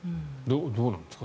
どうなんですか？